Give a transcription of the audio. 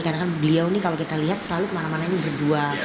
karena kan beliau ini kalau kita lihat selalu kemana mana ini berdua